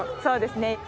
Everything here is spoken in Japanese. そうですね。